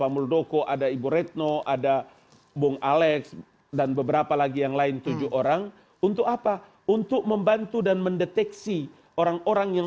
masuk akal ya penjelasannya